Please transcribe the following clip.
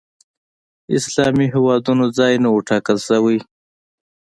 اسلامي هېوادونو ځای نه و ټاکل شوی